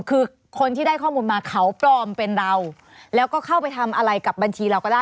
คือคนที่ได้ข้อมูลมาเขาปลอมเป็นเราแล้วก็เข้าไปทำอะไรกับบัญชีเราก็ได้